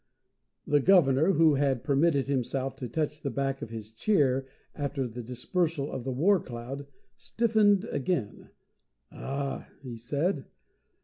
The Governor, who had permitted himself to touch the back of his chair after the dispersal of the war cloud, stiffened again. "Ah!" he said.